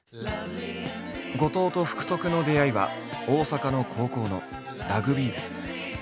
後藤と福徳の出会いは大阪の高校のラグビー部。